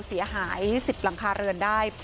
เสียหาย๑๐หลังคาเรือนได้